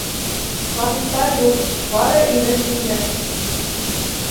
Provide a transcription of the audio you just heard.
Шаһиттар юҡ, бары имеш-мимеш...